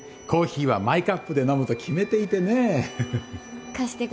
コーヒーはマイカップで飲むと決めていてね